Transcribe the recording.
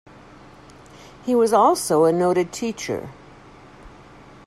He was also a noted teacher.